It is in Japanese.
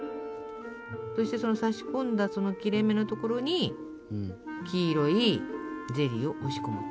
そしてさし込んだ切れ目のところに黄色いゼリーを押し込む。